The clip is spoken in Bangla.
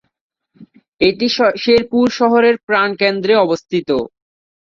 এটি শেরপুর শহরের প্রাণকেন্দ্রে অবস্থিত।